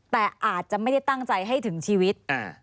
แต่อาจจะไม่ได้ตั้งใจให้ถึงชีวิต